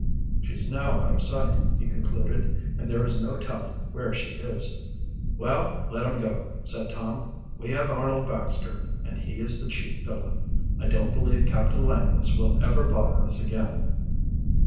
"She's now out of sight," he concluded, "and there is no telling where she is." "Well, let him go," said Tom. "We have Arnold Baxter, and he is the chief villain. I don't believe Captain Langless will ever bother us again."